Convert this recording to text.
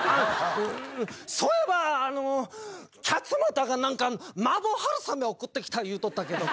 そういえばキャツマタが何か麻婆春雨送ってきた言うとったけどこれ。